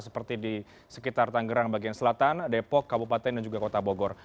seperti di sekitar tanggerang bagian selatan depok kabupaten dan juga kota bogor